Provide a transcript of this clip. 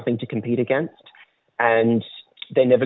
dengan tidak ada yang bisa dipenuhi